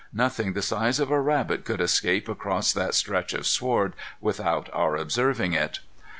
Nothing the size of a rabbit could escape across that stretch of sward without our observing it.